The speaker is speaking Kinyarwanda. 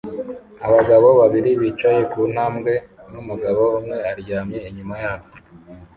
Abagabo babiri bicaye ku ntambwe n'umugabo umwe aryamye inyuma yabo